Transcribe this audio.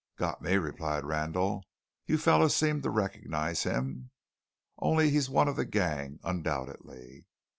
"Got me," replied Randall; "you fellows seemed to recognize him. Only he's one of the gang, undoubtedly."